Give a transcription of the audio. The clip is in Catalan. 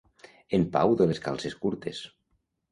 En Pau de les calces curtes.